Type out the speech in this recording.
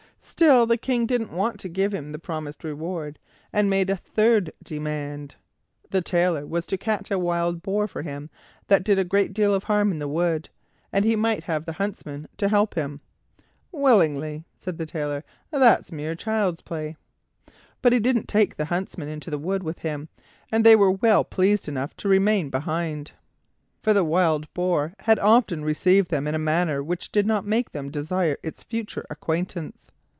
Still the King didn't want to give him the promised reward and made a third demand. The Tailor was to catch a wild boar for him that did a great deal of harm in the wood; and he might have the huntsmen to help him. "Willingly," said the Tailor; "that's mere child's play." But he didn't take the huntsmen into the wood with him, and they were well enough pleased to remain behind, for the wild boar had often received them in a manner which did not make them desire its further acquaintance.